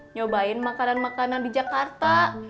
nyobain makanan makanan di jakarta